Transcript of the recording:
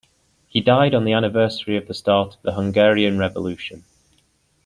He died on the anniversary of the start of the Hungarian revolution.